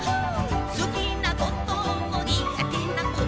「すきなこともにがてなことも」